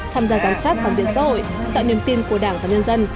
tham gia giám sát phản biện xã hội tạo niềm tin của đảng và nhân dân